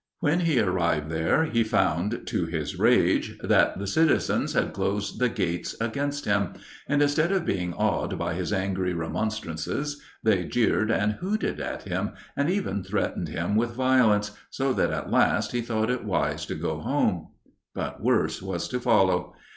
When he arrived there, he found, to his rage, that the citizens had closed the gates against him, and instead of being awed by his angry remonstrances, they jeered and hooted at him, and even threatened him with violence, so that at last he thought it wise to go home. But worse was to follow.